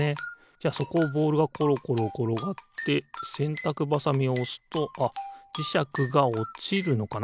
じゃあそこをボールがころころころがってせんたくばさみをおすとあっじしゃくがおちるのかな？